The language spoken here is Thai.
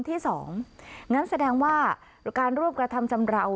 ที่สองงั้นแสดงว่าการรวบกระทำชำราว